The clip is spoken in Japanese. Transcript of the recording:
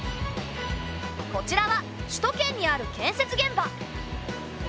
こちらは首都圏にある建設現場。